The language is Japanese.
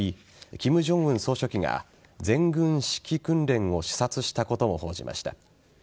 金正恩総書記が全軍指揮訓練を視察したことも報じました。